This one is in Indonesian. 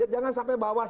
jangan sampai bawah